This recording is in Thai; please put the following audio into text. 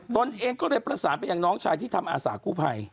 ตนเองก็เลยประสานไปยังน้องชายที่ทำอาสากู้ภัย